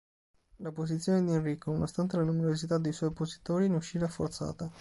La posizione di Enrico, nonostante la numerosità dei suoi oppositori, ne uscì rafforzata.